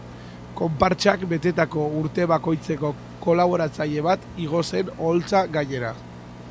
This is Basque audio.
Konpartsak betetako urte bakoitzeko kolaboratzaile bat igo zen oholtza gainera.